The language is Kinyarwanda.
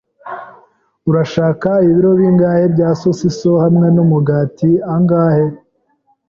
Urashaka ibiro bingahe bya sosiso, hamwe numugati angahe?